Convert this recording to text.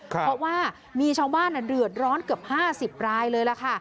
เพราะว่ามีชาวบ้านเดือดร้อนเกือบ๕๐รายเลยล่ะค่ะ